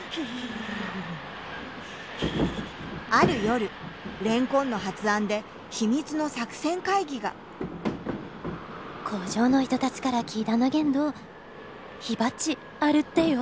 ある夜レンコンの発案で秘密の作戦会議が工場の人たちから聞いたんだけんど火鉢あるってよ。